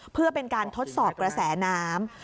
เพื่อเป็นการทดสอบกระแสน้ำ